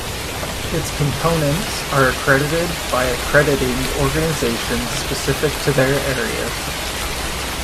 Its components are accredited by accrediting organizations specific to their areas.